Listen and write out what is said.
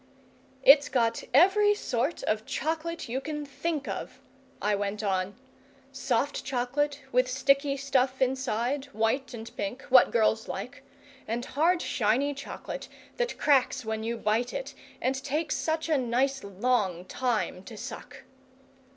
"It's got every sort of chocolate you can think of," I went on: "soft chocolate, with sticky stuff inside, white and pink, what girls like; and hard shiny chocolate, that cracks when you bite it, and takes such a nice long time to suck!"